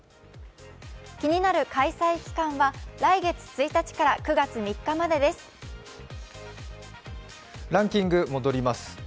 気になる開催期間は来月１日から９月３日までです。